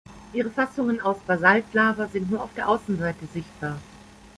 Ihre Fassungen aus Basaltlava sind nur auf der Außenseite sichtbar.